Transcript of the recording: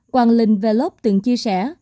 hoàng linh về lốc từng chia sẻ